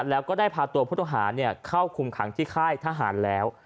แล้วก็ได้พาตัวผู้ต้องหาเข้าคุมขังที่ค่ายทหารแล้ว